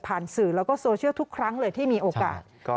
สื่อแล้วก็โซเชียลทุกครั้งเลยที่มีโอกาส